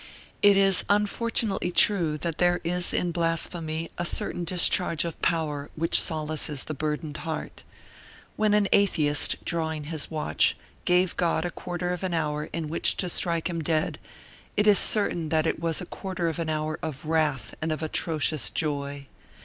It is unfortunately true that there is in blasphemy a certain discharge of power which solaces the burdened heart. When an atheist, drawing his watch, gave God a quarter of an hour in which to strike him dead, it is certain that it was a quarter of an hour of wrath and of atrocious joy.